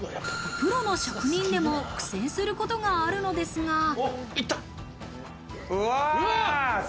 プロの職人でも苦戦することがあるのですが。